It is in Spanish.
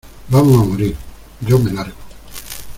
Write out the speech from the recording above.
Vamos a morir. Yo me largo .